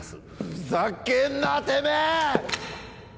ふざけんな、てめえ！